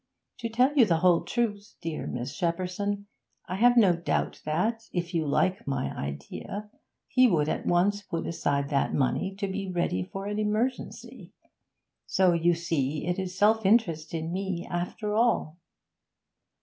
To tell you the whole truth, dear Miss Shepperson, I have no doubt that, if you like my idea, he would at once put aside that money to be ready for an emergency. So, you see, it is self interest in me, after all.'